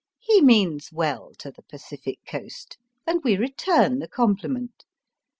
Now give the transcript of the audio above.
He means well to the Pacific Coast, and we return the compliment.